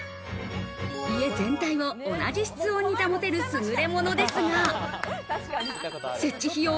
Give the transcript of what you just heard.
家全体を同じ室温に保てる優れものですが、設置費用